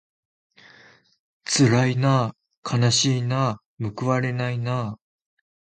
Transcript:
つらいなあかなしいなあむくわれないなあ